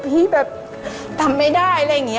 การที่บูชาเทพสามองค์มันทำให้ร้านประสบความสำเร็จ